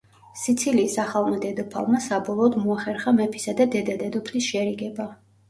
სიცილიის ახალმა დედოფალმა, საბოლოოდ მოახერხა მეფისა და დედა-დედოფლის შერიგება.